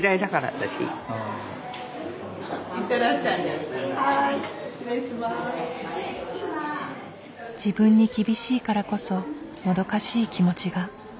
自分に厳しいからこそもどかしい気持ちが伝わってくる。